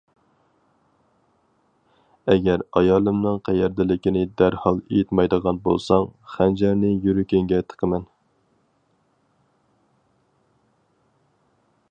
ئەگەر ئايالىمنىڭ قەيەردىلىكىنى دەرھال ئېيتمايدىغان بولساڭ، خەنجەرنى يۈرىكىڭگە تىقىمەن!